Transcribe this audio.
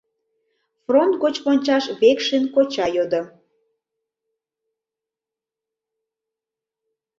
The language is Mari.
Фронт гоч вончаш Векшин коча йодо.